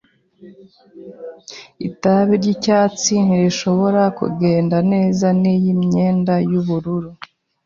Itapi yicyatsi ntishobora kugenda neza niyi myenda yubururu.